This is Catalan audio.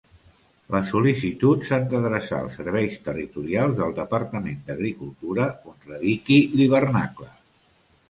Les sol·licituds s'han d'adreçar als serveis territorials del Departament d'Agricultura on radiqui l'hivernacle.